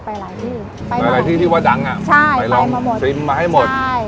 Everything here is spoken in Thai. ไปหลายที่ไปหลายที่ที่ว่าดังอ่ะใช่ไปลองมาหมดซิมมาให้หมดใช่